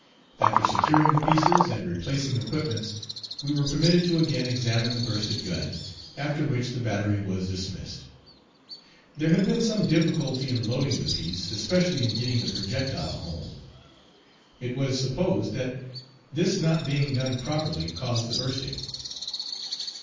After securing the pieces and replacing equipments, we were permitted to again examine the bursted gun, after which the battery was dismissed. There had been some difficulty in loading the piece, especially in getting the projectile home. It was supposed that this not being done properly caused the bursting.